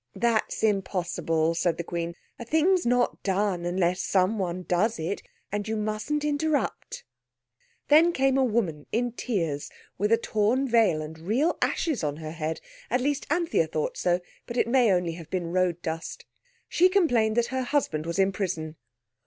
"That's impossible," said the Queen; "a thing's not done unless someone does it. And you mustn't interrupt." Then came a woman, in tears, with a torn veil and real ashes on her head—at least Anthea thought so, but it may have been only road dust. She complained that her husband was in prison.